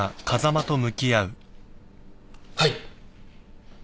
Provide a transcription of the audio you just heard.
はい！